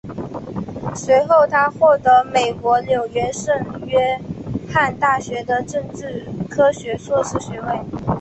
随后他获得美国纽约圣约翰大学的政治科学硕士学位。